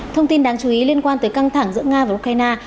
thông tin đáng chú ý liên quan tới căng thẳng giữa nga và ukraine